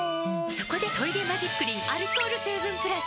そこで「トイレマジックリン」アルコール成分プラス！